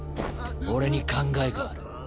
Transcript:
俺に考えがある。